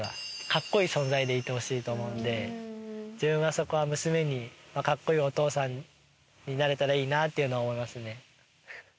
カッコイイ存在でいてほしいと思うんで自分はそこは娘にカッコイイお父さんになれたらいいなっていうのは思いますね。